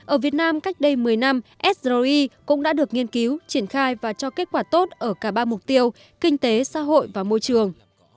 ở việt nam cách đây một mươi năm sri cũng đã được nghiên cứu triển khai và cho kết quả tốt ở cả ba mục tiêu kinh tế xã hội và môi trường